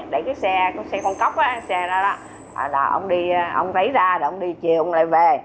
để cái xe cái xe con cóc đó xe ra đó là ông đi ông lấy ra rồi ông đi chiều ông lại về